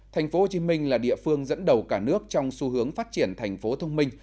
thành phố hồ chí minh là địa phương dẫn đầu cả nước trong xu hướng phát triển thành phố thông minh